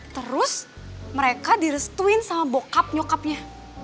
terus mereka direstuin sama bokap nyokapnya